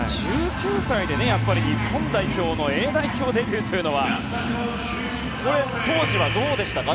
１９歳で日本代表のＡ代表デビューというのは当時はどうでしたか？